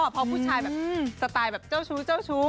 เพราะผู้ชายสไตล์แบบเจ้าชูเจ้าชู